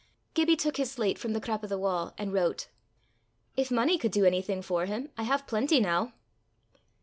Gibbie took his slate from the crap o' the wa' and wrote. "If money could do anything for him, I have plenty now."